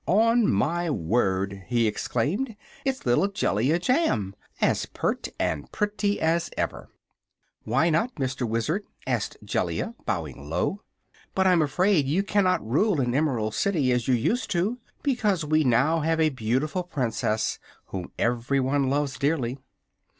"On my word," he exclaimed, "it's little Jellia Jamb as pert and pretty as ever!" "Why not, Mr. Wizard?" asked Jellia, bowing low. "But I'm afraid you cannot rule the Emerald City, as you used to, because we now have a beautiful Princess whom everyone loves dearly."